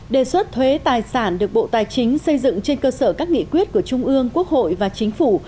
đề xuất thuế tài sản được bộ tài chính xây dựng trên cơ sở các nghị quyết của trung ương quốc hội và chính phủ